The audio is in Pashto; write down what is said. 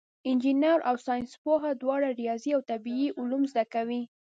انجینر او ساینسپوه دواړه ریاضي او طبیعي علوم زده کوي.